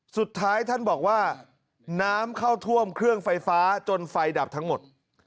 สุดท้ายท่านบอกว่าน้ำเข้าท่วมเครื่องไฟฟ้าจนไฟดับทั้งหมด